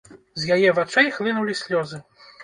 З яе вачэй хлынулі слёзы.